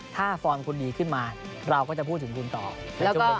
ถ้าฟอร์มคุณดีขึ้นมาเราก็จะพูดถึงคุณต่อในชั่วโมง